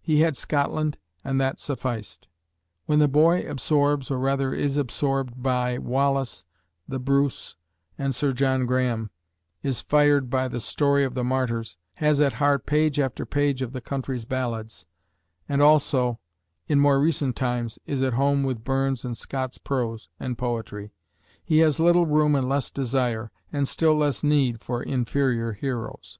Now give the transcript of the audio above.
He had Scotland and that sufficed. When the boy absorbs, or rather is absorbed by, Wallace, The Bruce, and Sir John Grahame, is fired by the story of the Martyrs, has at heart page after page of the country's ballads, and also, in more recent times, is at home with Burns' and Scott's prose and poetry, he has little room and less desire, and still less need, for inferior heroes.